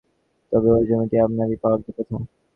তবে ওই জমিটি আমারই পাওয়ার কথা।